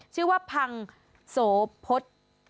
ชื่อว่าพังโสพษ